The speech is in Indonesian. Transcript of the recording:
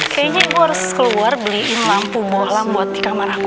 kayaknya gue harus keluar beliin lampu bola buat di kamar aku